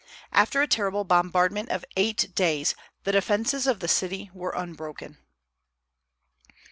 After a terrible bombardment of eight days the defences of the city were unbroken.